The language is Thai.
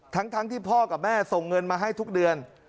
ทั้งที่พ่อกับแม่ส่งเงินมาให้ทุกเดือน